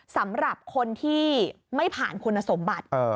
สำหรับคนที่ไม่ผ่านคุณสมบัติ